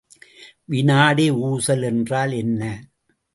வினாடி ஊசல் என்றால் என்ன?